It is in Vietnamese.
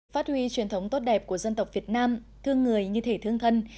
phát huy truyền thống tốt đẹp của dân tộc việt nam thương người như thể thương thân